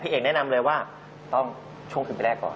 เอกแนะนำเลยว่าต้องช่วงคืนไปแรกก่อน